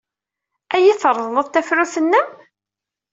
Ad iyi-treḍled tafrut-nnem?